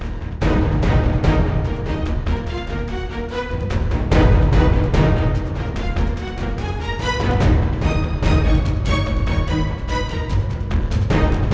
aku akan menang